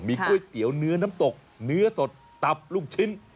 ก๋วยเตี๋ยวเนื้อน้ำตกเนื้อสดตับลูกชิ้น